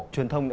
truyền thông nữa